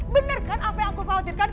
bener kan apa yang aku khawatirkan